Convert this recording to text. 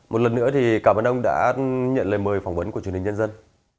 một lần nữa thì cảm ơn ông đã nhận lời mời phỏng vấn của truyền hình nhân dân